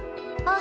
あ。